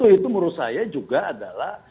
itu menurut saya juga adalah